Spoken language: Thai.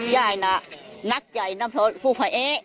ยายน่ะนักใจนำแท้อีกตัวผู้ภาเอ๊ะ